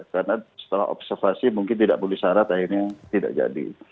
karena setelah observasi mungkin tidak boleh syarat akhirnya tidak jadi